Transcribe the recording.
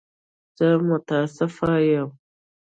زه متأسف یم.